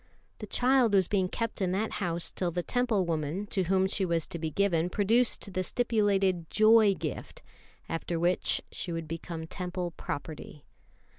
The child was being kept in that house till the Temple woman to whom she was to be given produced the stipulated "Joy gift," after which she would become Temple property.